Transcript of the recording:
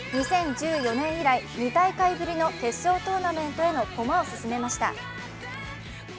２０１４年以来２大会ぶりの決勝大会への駒を進めました。